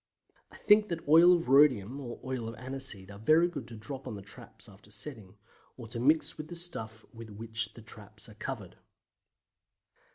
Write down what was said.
I think that oil of rhodium and oil of aniseed are very good to drop on the traps after setting, or to mix with the stuff with which the traps are covered.